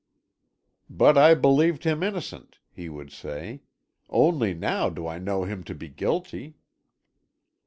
"But I believed him innocent," he would say. "Only now do I know him to be guilty!"